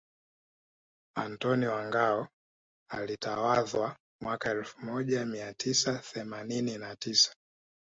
Antony wa Ngao alitawazwa mwaka elfu moja mia tisa themanini na tisa